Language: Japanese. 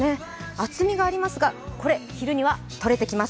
厚みがありますが、これ昼にはとれてきます。